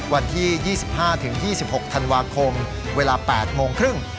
วันที่๒๕๒๖ธันวาคมเวลา๘โมงครึ่ง